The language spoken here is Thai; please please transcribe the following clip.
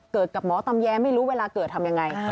กับหมอตำแยไม่รู้เวลาเกิดทำยังไง